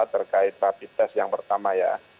terkait rapid test yang pertama ya